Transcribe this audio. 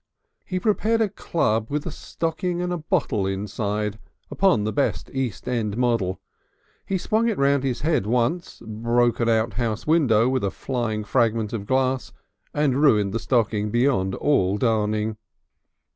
He prepared a club with a stocking and a bottle inside upon the best East End model. He swung it round his head once, broke an outhouse window with a flying fragment of glass, and ruined the stocking beyond all darning.